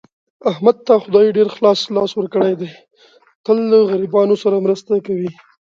احمد ته خدای ډېر خلاص لاس ورکړی دی، تل له غریبانو سره مرسته کوي.